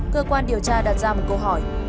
cơ quan điều tra đặt ra một câu hỏi